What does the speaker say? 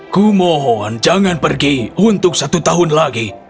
kumohon jangan pergi untuk satu tahun lagi